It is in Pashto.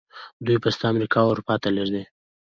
دوی پسته امریکا او اروپا ته لیږي.